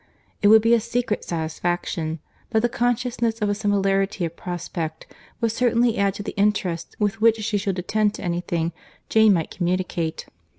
It would be a secret satisfaction; but the consciousness of a similarity of prospect would certainly add to the interest with which she should attend to any thing Jane might communicate.